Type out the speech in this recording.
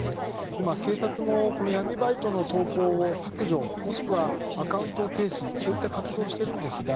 今、警察も闇バイトの投稿を削除もしくはアカウント停止そういった活動をしているんですが